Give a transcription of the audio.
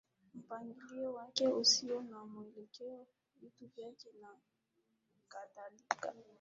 Mpangilio wake usio na muelekeo vitu vyake na kadhalika